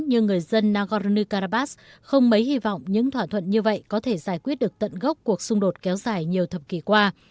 như người dân nagorno karabakh không mấy hy vọng những thỏa thuận như vậy có thể giải quyết được tận gốc cuộc xung đột kéo dài nhiều thập kỷ qua